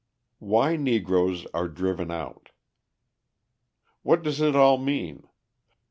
Why Negroes Are Driven Out What does it all mean?